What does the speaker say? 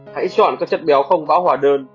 hãy chọn các chất béo không bão hòa đơn